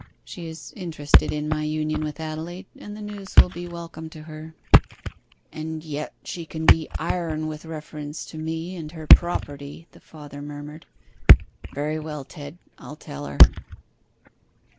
She is interested in my union with Adelaide, and the news will be welcome to her.' 'And yet she can be iron with reference to me and her property,' the farmer murmured. 'Very well, Ted, I'll tell her.